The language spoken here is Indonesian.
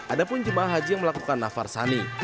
ada pun jemaah haji yang melakukan nafar sani